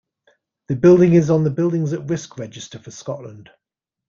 The building is on the Buildings at Risk Register for Scotland.